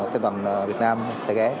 toàn việt nam sẽ ghé